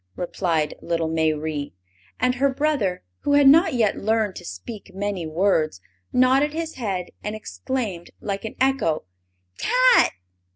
replied little Mayrie; and her brother, who had not yet learned to speak many words, nodded his head and exclaimed like an echo: "Tat!"